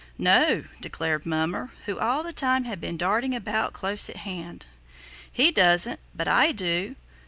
"No," declared Mummer, who all the time had been darting about close at hand. "He doesn't, but I do.